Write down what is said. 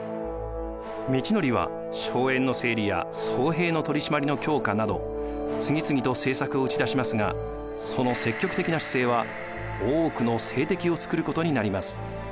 通憲は荘園の整理や僧兵の取り締まりの強化など次々と政策を打ち出しますがその積極的な姿勢は多くの政敵をつくることになります。